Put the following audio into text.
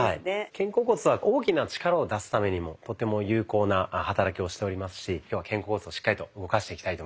肩甲骨は大きな力を出すためにもとても有効な働きをしておりますし今日は肩甲骨をしっかりと動かしていきたいと思います。